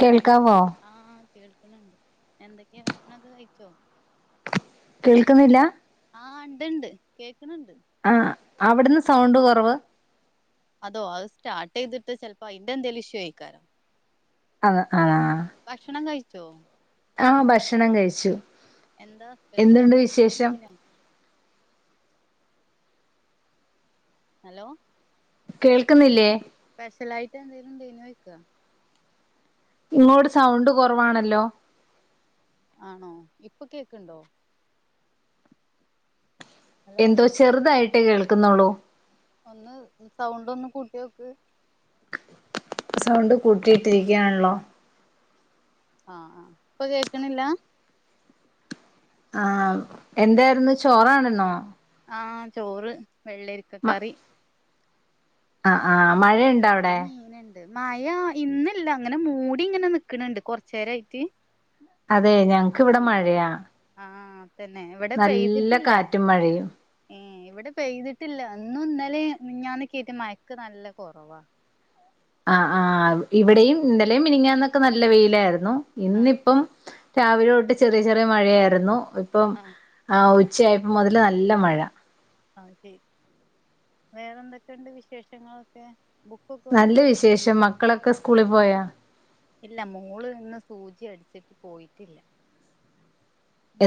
കേൾകാമോ ആഹ് കേൾക്ക്ണ് ണ്ട് എന്തൊക്കെ ഭക്ഷണോക്കെ കഴിച്ചോ കേൾക്ക്ന്നില്ല ആഹ് ഇണ്ട്ണ്ട് കേക്ക്ണ് ണ്ട് ആഹ് അവിട്ന്ന് സൗണ്ട് കൊറവ് അതോ അത് സ്റ്റാർട്ടെയ്തിട്ട് ചെലപ്പോ അയിന്റെന്തേലും ഇഷ്യൂആയിക്കാരം അതെ അതാ ഭക്ഷണം കഴിച്ചോ ആഹ് ഭക്ഷണം കഴിച്ചു എന്താ എന്തുണ്ട് വിശേഷം സ്പെഷ്യലായിണ്ടെയ്നോ ഹലോ കേൾക്ക്ന്നില്ലേ സ്പെഷലായിറ്റെന്തെങ്കിലും ണ്ടേയ്നോയിക്ക ഇങ്ങോട് സൗണ്ട് കൊറവാണല്ലോ ആണോ ഇപ്പൊ കേക്ക്ണ്ടോ ഹലോ എന്തോ ചെറുതായിട്ടെ കേൾക്കുന്നുള്ളൂ ഒന്ന് സൗണ്ടോന്ന് കൂട്ടിയോക്ക് സൗണ്ട് കൂട്ടിയിട്ടിരിക്കാണല്ലോ ആഹ് ആഹ് ഇപ്പൊ കേക്ക്ണില്ല. ആഹ് എന്തായിരുന്നു ചോറാണ്ന്നോ. ആഹ് ചോറ്, വെള്ളരിക്ക കറി. അഹ് ആഹ് മഴയ പിന്നെ മീന്ണ്ട് മഴ ഇന്നില്ല ഇങ്ങനെ മൂടിങ്ങനെ നിക്ക്ണ് ണ്ട് കൊർച്ചേരൈറ്റ്. അതെ ഞങ്ങക്കിവിടെ മഴയാ. ആഹ് തന്നെ ഇവ്ടെ നല്ല പെയ്തിട്ടില്ല. കാറ്റും മഴയും ഏഹ് ഇവടെ പെയ്തിട്ടില്ല ഇന്നു ഇന്നലെം മിഞ്ഞാന്നെകേയ്ട്ട് മയക്ക് നല്ല കൊറവാ. ആഹ് ആഹ് ഇവിടെയും ഇന്നലെയും മിനിഞ്ഞാന്നൊക്കെ നല്ല വെയിലായിരുന്നു ആഹ് ഇന്നിപ്പം. രാവിലെ തൊട്ട് ചെറിയ ചെറിയ മഴയായിരുന്നു ഇപ്പം ആഹ് ഏഹ് ഉച്ചയായപ്പം മുതല് നല്ല മഴ. ആഹ് ശേ വേറെന്തൊക്കെണ്ട് വിശേഷങ്ങളൊക്കെ? ബുക്കൊക്കെ നല്ല വായിക്കോ വിശേഷം മക്കളൊക്കെ സ്കൂളി പോയാ? ഇല്ല മോള് ഇന്ന് സൂജി അടിച്ചിട്ട് പോയിട്ടില്ല.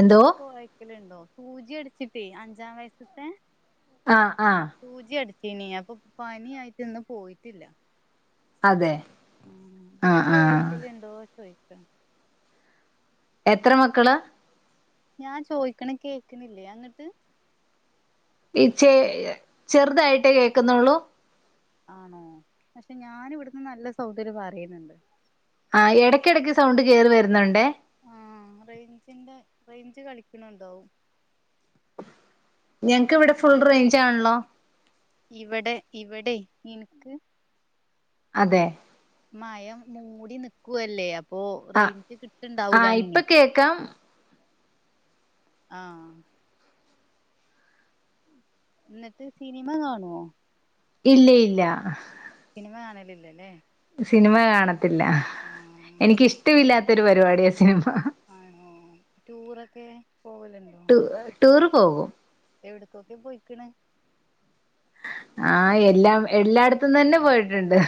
എന്തോ വായ്ക്കലുണ്ടോ സൂജി അടിച്ചിട്ടേ അഞ്ചാം വയസ്ത്തെ. ആഹ് ആഹ്. സൂചി അട്ച്ചീനി അപ്പൊ പനി ആയിട്ട് ഇന്ന് പോയിട്ടില്ല. അതെ. ഉം ആഹ് ബുക്ക് ആഹ് വായിക്കലുണ്ടോ ചോയ്ക്കാണ്. എത്ര മക്കളാ? ഞാൻ ചോയ്ക്ക്ണ കേക്കണില്ലേ അങ്ങട്ട്. ഇച്ചെ ചെറുതായിട്ടേ കേക്കുന്നുള്ളൂ. ആണോ പക്ഷെ ഞാൻ ഇവട്ന്ന് നല്ല സൗണ്ടില് പറയ്ണ് ണ്ട്. ആ എടക്കെടക്ക് സൗണ്ട് കേറി വരുന്നുണ്ടേ. റൈഞ്ചിന്റെ റൈഞ്ച് കളിക്ക്ണ് ണ്ടാവും. ഞങ്ങക്ക് ഇവിടെ ഫുൾ റേഞ്ചാണ്ല്ലോ. ഇവടെ ഇവടെ ഇൻക്ക്. അതെ. മഴ മൂടി നിക്കു വല്ലേ അ പ്പൊ ആഹ് റൈഞ്ച് കിട്ട്ണ്ടാവൂല ആഹ് അങ്ങിനി. ഇപ്പൊ കേക്കാം ആഹ്. എന്നിട്ട് സിനിമ കാണോ? ഇല്ല്യ ഇല്ല. സിനിമ കാണലില്ലല്ലേ. സിനിമ കാണത്തില്ല. ആഹ്. എനിക്ക് ഇഷ്ട്ടവില്ലാത്ത ഒരു പരിവാടിയാ സിനിമ. ആണോ ടൂറൊക്കെ പോവലുണ്ടോ? ട്ടു ട്ടുറ് പോവും. എവിട്ക്കൊക്കെ പൊയിക്ക്ണ്. ആഹ് എല്ലാം എല്ലാട്ത്ത്ന്നന്നെ പോയിട്ട്ണ്ട്.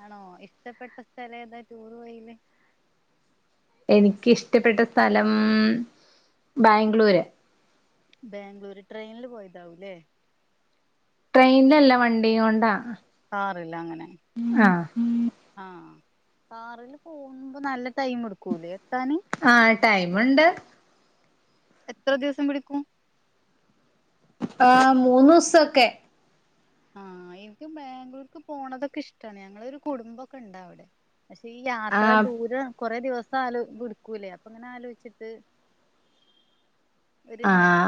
ആണോ ഇഷ്ട്ടപ്പെട്ട സ്ഥലേതാ ട്ടൂറ് പോയില്. എനിക്കിഷ്ട്ടപ്പെട്ട സ്ഥലം ബാംഗ്ലൂര്. ബാംഗ്ലൂര് ട്രെയിനിൽ പോയതാവൂല്ലേ. ട്രെയിൻലല്ല വണ്ടിയു കൊണ്ടാ. കാറിലെ അങ്ങനെ. ആഹ് ആഹ് കാറിലപോവുമ്പോ നല്ല ടൈം എടുക്കൂലേ എത്താന്. ആഹ് ടൈമ്ണ്ട്. എത്ര ദിവസം പിടിക്കും. ആഹ് മൂന്നുസൊക്കെ. ആഹ് ഇൻക്ക് ബാംഗ്ലൂർക്ക് പോണതൊക്കെ ഇഷ്ട്ടാണ് ഞങ്ങളൊരു കുടുംമ്പൊക്കെ ഉണ്ട് അവ്ടെ. പക്ഷെ ഈ യാത്ര ആഹ് ദൂരം കൊറെ ദിവസം ആലോടുക്കൂല്ലേ അപ്പൊ അങ്ങനെ ആലോചിച്ചിട്ട് ഒരുരിമായിട്ട് [unintelligible]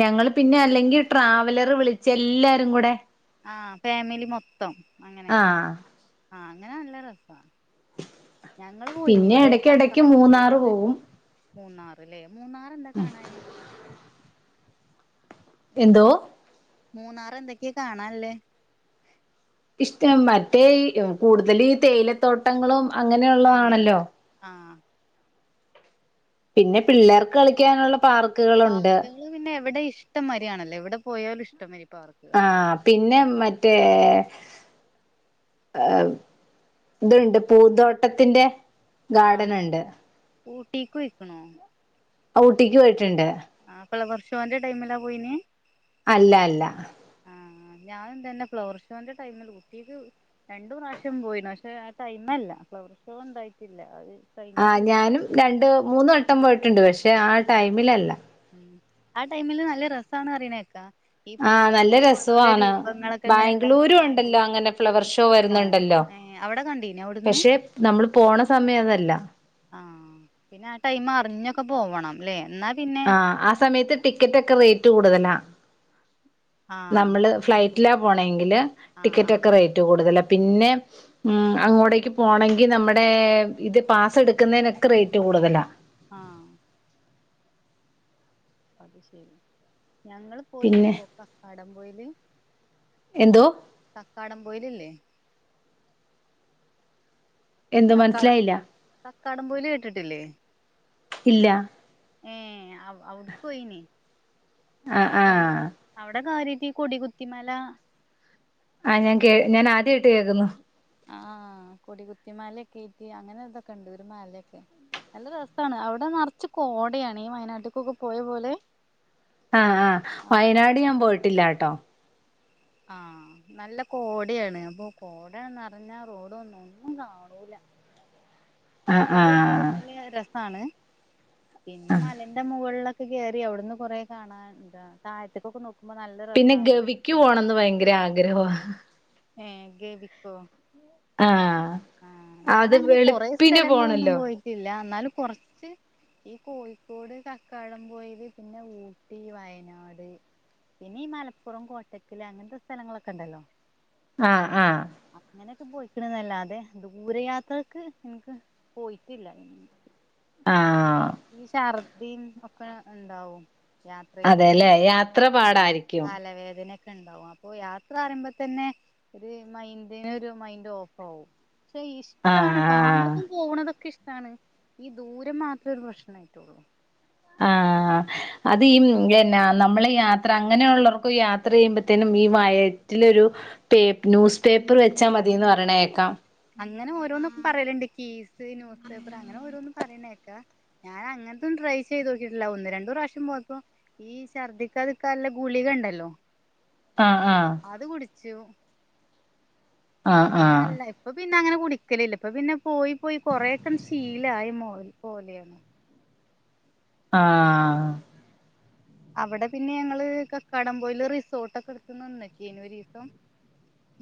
ഞങ്ങൾ പിന്നെ അല്ലെങ്കിൽ ട്രാവലറ് വിളിച്ച എല്ലാരും കൂടെ ആഹ് ഫാമിലി മൊത്തം അങ്ങനെ ആഹ് ആഹ് അങ്ങനെ നല്ല രസാ ഞങ്ങള് പോയിനി പിന്നെ ഇവിടെക്കെ എടക്കെടക്ക് അക്കാടം മൂന്നാറ് പോലുണ്ടല്ലോ പോവും മൂന്നാറല്ലേ മൂന്നാർ എന്താ കാണാനെ എന്തോ മൂന്നാറ് എന്തൊക്കെ കാണാല്ലെ ഇഷ്ട്ട മറ്റേ ഈ കൂടുതല് തേയിലത്തോട്ടങ്ങളും അങ്ങനെയുള്ളതാണല്ലോ അങ്ങൻത്തെ ആഹ് പിന്നെ പിള്ളേർക്ക് കളിക്കാനുള്ള പാർക്ക് പാർക്കാള് പിന്നെ എവിടെ ഇഷ്ടംമയ്രിയാണല്ലോ എവ്ടെ പോയാലും ഇഷ്ടംമായ്രിപാർക്ക് ആഹ് പിന്നെ മറ്റേ ഹ് ഇത്ണ്ട് പൂന്തോട്ടത്തിന്റെ ആഹ് ഗാർഡൻ ഉണ്ട് ഊട്ടീക്കൊയ്ക്ക്ണോ ആഹ് ഊട്ടിക്ക് പോയിട്ട്ണ്ട് ആഹ് ഫ്ലവർഷോന്റെ ടൈമിലാ പോയിന് അല്ല അല്ല ആഹ് ഞാനും തന്നെ ഫ്ലവർ ഷോന്റെ ടൈമില് ഊട്ടീക്ക് രണ്ടു പ്രാവശ്യം പോയിന്നു പക്ഷെ ആ ടൈമല്ല ഫ്ലവർ ഷോ ഇണ്ടായിറ്റില്ല അഅ് ആഹ് ഞാനും രണ്ട് മൂന്ന് വട്ടം പോയിട്ട്ണ്ട് പക്ഷെ ആ ആഹ് ടൈമിലല്ല ആ ടൈമില് നല്ല രസാണ് പറീണേക്കാ ആഹ് നല്ല രസവു ആണ് ഇങ്ങനെ ബാംഗ്ലൂരു ഇണ്ടാക്കിങ്ങാണ്ട് ഉണ്ടല്ലോ അങ്ങനെ ഫ്ലവർ ഷോ ആണോ വരുന്നുണ്ടല്ലോ ഏഹ് അവിടെ കണ്ടീനോ അവിടുന്ന് പക്ഷെ നമ്മള് പോണ സമയം അതല്ല ആഹ് പിന്നെ ആഹ് ടൈമ് അറിഞ്ഞൊക്കെ പോവണംല്ലേ ഇന്നാ ആഹ് ആ സമയത്ത് ടിക്കറ്റ് ഒക്കെ റേറ്റ് കൂടുതലാ ആഹ് നമ്മള് ഫ്ലൈറ്റിലാ പോണെങ്കില് ആഹ് ടിക്കറ്റ് ആഹ് ഒക്കെ റേറ്റ് കൂടുതലാ പിന്നെ ഉം അങ്ങോട്ടേക്ക് പോണങ്കി നമ്മടെ ഇത് പാസ്സ് എടുക്കുന്നേനൊക്കെ റേറ്റ് കൂടുതലാ ആഹ് അത് ശരി ഞങ്ങള് പിന്നെ പോയിനിപ്പോ കക്കാടം പോയില് എന്തോ കക്കാടം പോയിലില്ലേ എന്തോ കക്കാടം മനസ്സിലായില്ല ക്കക്കാടം പോയില് കേട്ടിട്ടില്ലേ ഇല്ല ഏഹ് അവ് അവിട്ക്കോയിനി ആഹ് അവടെ ആഹ് അവടെ കാര്യയ്റ്റി ഈ കൊടികുത്തിമലാ അഹ് ഞാൻ കേ ഞാൻ ആദ്യായിട്ട് കേക്കുന്നു ആഹ് കൊടികുത്തി മലൊക്കേറ്റ് അങ്ങനെ ഇതൊക്കെ ഇണ്ട് ഒരു മാലെക്കെ നല്ല രസാണ് അവ്ടെ നെർച്ച് കോടയാണ് ഈ വയനാട്ട്ക്കൊക്കെ പോയ പോലെ ആഹ് ആഹ് വയനാട് ഞാൻ പോയിട്ടില്ലാട്ടോ ആഹ് നല്ല കോടയാണ് അപ്പൊ കോട നറഞ്ഞാ റോഡൊന്നും ഒന്നും കാണൂല ആഹ് ഇഷ്ട്ടല്ലോൽക്കൊക്കെ ആഹ് നല്ല രസാണ് പിന്നെ മലന്റെ മുകൾലൊക്കെ കേറി അവ്ട്ന്ന് കൊറേ കാണാണ്ടാ താഴ്ത്ത്ക്കൊക്കെ നോക്ക് ക്കുമ്പോ നല്ല രസാണല്ലോ മലന്റെ ന്ന് ഭയങ്കര ആഗ്രഹവാ ഏഹ് ഗവിക്കോ ആഹ് ആഹ് അത് ഞാനങ്ങനെ കൊറെ വെളുപ്പിനെ സ്ഥലങ്ങളൊന്നും പോണല്ലോ പോയിട്ടില്ല എന്നാലും കുറച്ച് ഈ കോഴിക്കോട് കക്കാടം പോയില് പിന്നെ ഊട്ടി വയനാട് ഇനീ മലപ്പുറം കോട്ടക്കൽ അങ്ങൻത്തെ സ്ഥലങ്ങളൊക്കെ ഇണ്ടല്ലോ ആഹ് ആഹ് അങ്ങനെയെക്കെ പോയിക്ക്ണ് ന്നല്ലാതെ ദൂരയാത്രക്ക് ഇൻക്ക് പോയിറ്റില്ല ആഹ് ഈ ഛർദിം ഒക്കെ ഇണ്ടാവും യാത്ര ചെയ്യുമ്പോ അതെല്ലേ യാത്ര ആ പാടായിരിക്കും തലവേദന ഒക്കെ ഉണ്ടാവും അപ്പൊ യാത്ര ആരംഭ തന്നെ ഒരു മൈൻഡിന് ഒരു മൈൻഡ് ഓഫ് ആകും [inaudible] ഇഷ്ടാണ് ആഹ് കാണുന്നതും പോണതൊക്കെ ഇഷ്ടാണ് ഈ ദൂരം മാത്രമേ ഒരു പ്രശ്നായിട്ടുള്ളൂ ആഹ് ഏഹ് അത് ഈ എന്നാ നമ്മള് യാത്ര അങ്ങനെയുള്ളവർക്ക് യാത്ര ചെയ്യുമ്പോത്തേനും ഈ വയറ്റിലൊരു പേ ന്യൂസ് പേപ്പർ വെച്ചാ മതിന്ന് പറയണേക്കാം അങ്ങനെ ഓരോന്നൊക്കെ പറയല്ണ്ട് കീസ് ന്യൂസ് പേപ്പറ് അങ്ങനെ ഓരോന്ന് പറയണേക്കാ ഞാൻ അങ്ങനത്തൊന്നും ട്രൈ ചെയ്ത് നോക്കിട്ടില്ല ഒന്ന് രണ്ടു പ്രാവശ്യം പോയപ്പോ ഈ ഛർദ്ദിക്കാതിരിക്കാനുള്ള ഗുളികണ്ടല്ലോ ആഹ് ആഹ് അത് കുടിച്ചു ആഹ് പിന്നെ ആഹ് അല്ല ഇപ്പൊ പിന്നെ അങ്ങനെ കുടിക്കലില്ല ഇപ്പൊ പിന്നെ പോയി പോയി കൊറേക്കെ ശീലായ മോ പോലെയാണ് ആഹ് അവ്ടെ പിന്നെ ഞങ്ങള് കക്കാടംപോയില് റിസോർട്ട് ഒക്കെ എടുക്കുന്ന [unintelligible]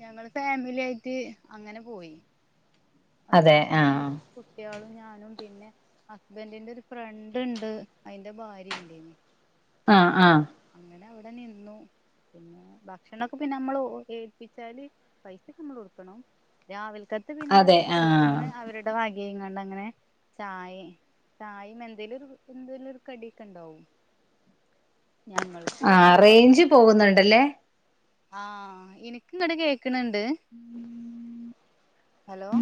ഞങ്ങള് ഫാമിലി ആയിട്ട് അങ്ങനെ പോയി അതെ ഹസ്ബൻ്റും ആഹ് കുട്ടികളും ഞാനും പിന്നെ ഹസ്ബൻ്റ്ന്റെ ഒരു ഫ്രണ്ട്ണ്ട് അതിന്റെ ഭാര്യ ഉണ്ടേനു ആഹ് ആഹ് അങ്ങനെ അവിടെ നിന്നു പിന്നെ ഭക്ഷണൊക്കെ ഓ പിന്നെ നമ്മള് ഏൽപ്പിച്ചാല് പൈസയൊക്കെ നമ്മള് കൊടുക്കണം രാവിൽത്തേക്ക് പിന്നെ അതെ ആഹ് റിസോർട്ട്ന്ന് അവരുടെ വകയിങ്ങാണ്ടങ്ങനെ ചായേം ചായയും എന്തേലും ഒരു എന്തെലുവൊരു കടിയക്കെ ണ്ടാവും ഞങ്ങൾക്ക് അവിടെ ആഹ് പോയ റേഞ്ച് പോകുന്നൊണ്ടല്ലേ ആഹ് ഇനിക്ക് ഇങ്ങോട്ട് കേക്കണണ്ട് ഉം ഹലോ